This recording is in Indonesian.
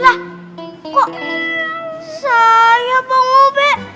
lah kok saya bang ube